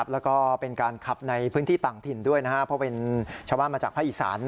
แล้วก็เป็นการขับในพื้นที่ต่างถิ่นด้วยเพราะเป็นชาวบ้านมาจากภาคอีสาน